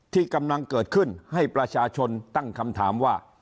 ที่กำลังเกิดขึ้นให้ประชาชนตั้งคำถามว่า